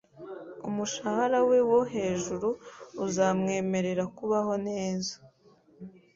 Umushahara we wo hejuru uzamwemerera kubaho neza